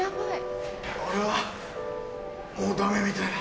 俺はもうダメみたいだ。